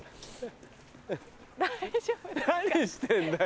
何してんだよ